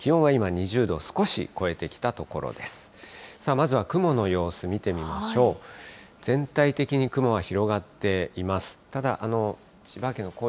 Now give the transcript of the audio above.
まずは雲の様子見てみましょう。